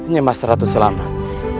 nyimas ratu selamat